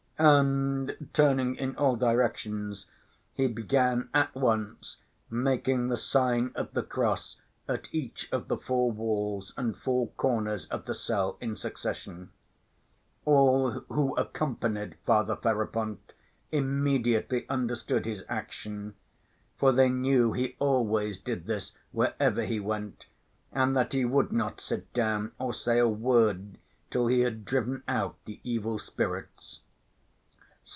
and, turning in all directions, he began at once making the sign of the cross at each of the four walls and four corners of the cell in succession. All who accompanied Father Ferapont immediately understood his action. For they knew he always did this wherever he went, and that he would not sit down or say a word, till he had driven out the evil spirits.